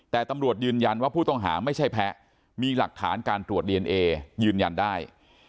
แต่ตำรวจยืนยันว่าผู้ต้องหาไม่ใช่แพ้มีหลักฐานการตรวจดีเอนเอยืนยันได้